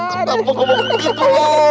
kenapa kamu begitu loh